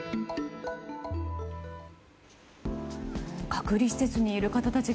隔離施設にいる方たち